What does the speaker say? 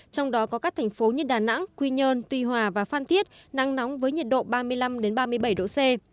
trong đó có các thành phố như đà nẵng quy nhơn tuy hòa và phan thiết nắng nóng với nhiệt độ ba mươi năm ba mươi bảy độ c